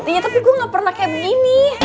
tapi gue gak pernah kayak begini